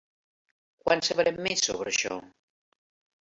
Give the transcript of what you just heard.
Quan sabrem més sobre això?